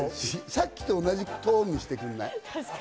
さっきと同じトーンにしてくんない？